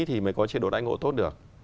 thì mới có chế độ đại ngộ tốt được